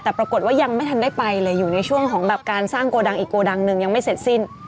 แต่ปรากฏว่ายังไม่ทันได้ไปเลยอยู่ในช่วงของแบบการสร้างโกดังอีกโกดังหนึ่งยังไม่เสร็จสิ้น